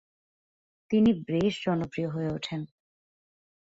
তিনি বেশ জনপ্রিয় হয়ে উঠেন।